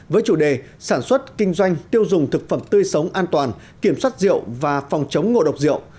với chủ đề sản xuất kinh doanh tiêu dùng thực phẩm tươi sống an toàn kiểm soát rượu và phòng chống ngộ độc rượu